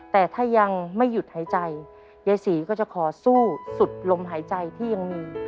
แต่ถ้ายังไม่หยุดหายใจยายศรีก็จะขอสู้สุดลมหายใจที่ยังมี